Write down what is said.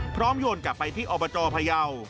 พร้อมโยนกลับไปที่อบจพยาว